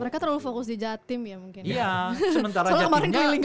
mereka terlalu fokus di jatim ya mungkin ya